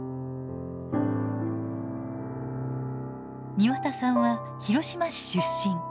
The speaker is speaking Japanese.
庭田さんは広島市出身。